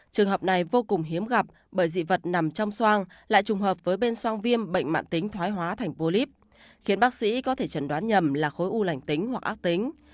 trường hợp này vô cùng hiếm gặp bởi dị vật nằm trong xoang lại trùng hợp với bên xoang viêm bệnh mạng tính thoái hóa thành polyp khiến bác sĩ có thể chẩn đoán nhầm là khối u lành tính hoặc ác tính